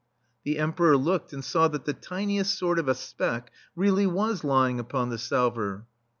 The Emperor looked and saw that the tiniest sort of a speck really was lying upon the salver.